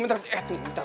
sayang tunggu mentak